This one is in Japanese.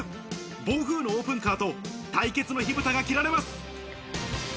暴風のオープンカーと対決の火ぶたが切られます。